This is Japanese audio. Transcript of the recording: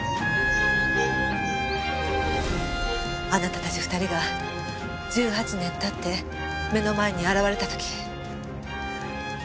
あなたたち２人が１８年経って目の前に現れた時。